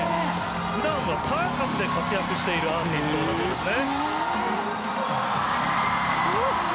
ふだんはサーカスで活躍しているアーティストだそうですね。